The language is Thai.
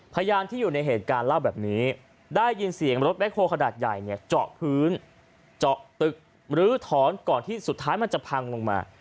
พยานที่อยู่ในเหตุการณ์เล่าแบบนี้ได้ยินเสียงรถแคลขนาดใหญ่เนี่ยเจาะพื้นเจาะตึกหรือถอนก่อนที่สุดท้ายมันจะพังลงมา